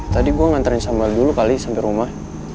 tadi gue nganterin sambal dulu kali sampai rumah